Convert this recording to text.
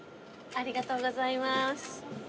ありがとうございます。